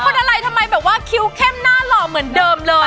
อะไรทำไมแบบว่าคิวเข้มหน้าหล่อเหมือนเดิมเลย